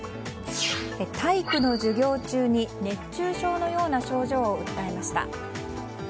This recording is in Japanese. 体育の授業中に熱中症のような症状を訴えました。